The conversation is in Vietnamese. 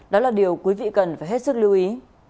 đó là điều quý vị cần phải hết sức lưu ý